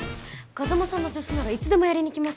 風真さんの助手ならいつでもやりに行きます。